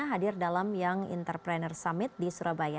hadir dalam young entrepreneur summit di surabaya